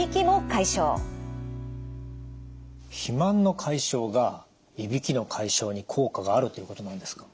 肥満の解消がいびきの解消に効果があるということなんですか？